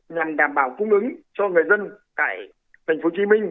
nhằm đảm bảo cung ứng cho người dân tại tp hcm